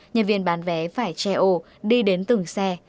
nhân viên bán vé phải che ô đi đến từng xe